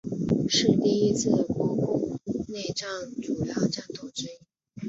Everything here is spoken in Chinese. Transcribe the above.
是第一次国共内战主要战斗之一。